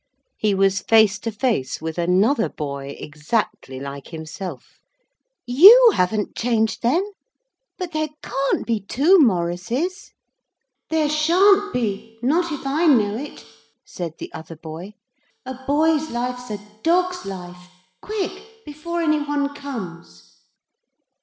He was face to face with another boy, exactly like himself. 'You haven't changed, then but there can't be two Maurices.' 'There sha'n't be; not if I know it,' said the other boy; 'a boy's life's a dog's life. Quick, before any one comes.'